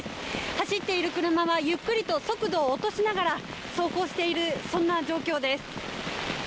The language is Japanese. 走っている車はゆっくりと速度を落としながら走行している、そんな状況です。